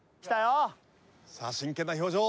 さあ真剣な表情。